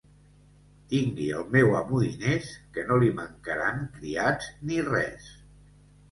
Tingui el meu amo diners, que no li mancaran criats ni res.